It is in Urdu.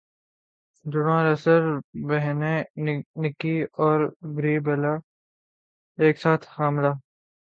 جڑواں ریسلر بہنیں نکی اور بری بیلا ایک ساتھ حاملہ